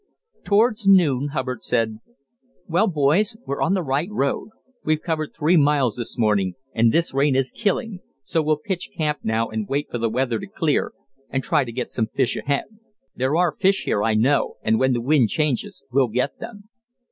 Towards noon Hubbard said: "Well, boys, we're on the right road, we've covered three miles this morning, and this rain is killing, so we'll pitch camp now, and wait for the weather to clear and try to get some fish ahead. There are fish here, I know, and when the wind changes we'll get them."